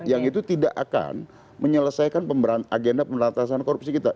yang itu tidak akan menyelesaikan agenda pemberantasan korupsi kita